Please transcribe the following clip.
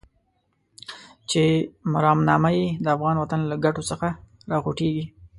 چې مرامنامه يې د افغان وطن له ګټو څخه راوخوټېږي.